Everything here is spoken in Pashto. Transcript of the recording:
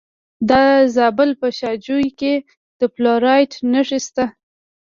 د زابل په شاجوی کې د فلورایټ نښې شته.